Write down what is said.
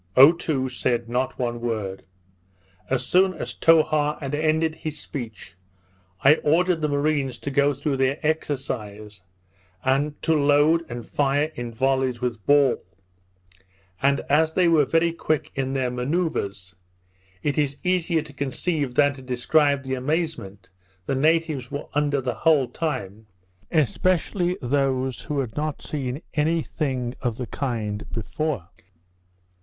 Otoo said not one word. As soon as Towha had ended his speech, I ordered the marines to go through their exercise, and to load and fire in vollies with ball; and as they were very quick in their manoeuvres, it is easier to conceive than to describe the amazement the natives were under the whole time, especially those who had not seen any thing of the kind before.